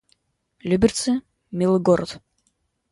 Люберцы — милый город